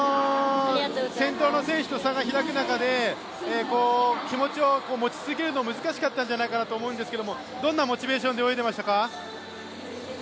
先頭の選手と差が開く中で、気持ちを持ち続けるのは難しかったんじゃないかなと思うんですがどんなモチベーションで泳いでいましたか？